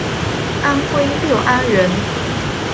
安徽六安人。